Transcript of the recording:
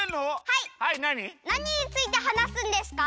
はいなにについてはなすんですか？